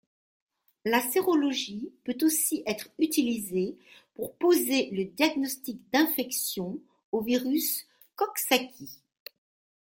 La sérologie peut aussi être utilisée pour poser le diagnostic d’infection au virus Coxsackie.